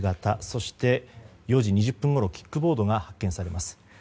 そして、４時２０分ごろキックボードが発見されます。